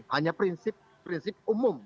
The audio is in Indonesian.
hanya prinsip prinsip umum ya pak ganjar ini